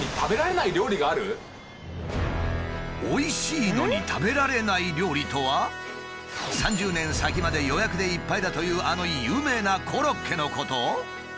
おいしいのに食べられない料理とは３０年先まで予約でいっぱいだというあの有名なコロッケのこと？